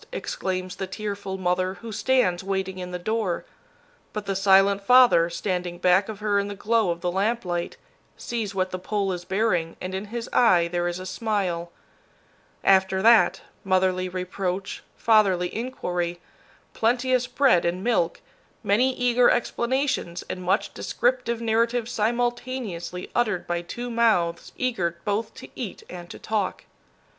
exclaims the tearful mother who stands waiting in the door. But the silent father, standing back of her in the glow of the lamplight, sees what the pole is bearing, and in his eye there is a smile. After that, motherly reproach, fatherly inquiry, plenteous bread and milk, many eager explanations and much descriptive narrative simultaneously uttered by two mouths eager both to eat and to talk.